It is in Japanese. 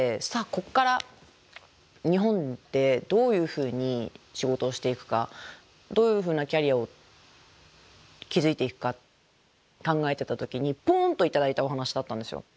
ここから日本でどういうふうに仕事をしていくかどういうふうなキャリアを築いていくか考えてた時にポンと頂いたお話だったんですよ。